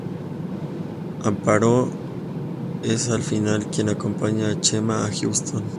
Amparo es al final, quien acompaña a Chema a Houston.